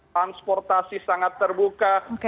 transportasi sangat terbuka